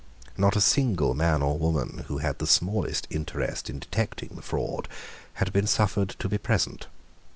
Not a single man or woman who had the smallest interest in detecting the fraud had been suffered to be present.